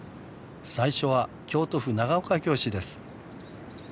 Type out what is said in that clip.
最初は京都府長岡京市です。